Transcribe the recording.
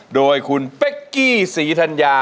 โดยคุณเป๊กกี้ศรีธัญญา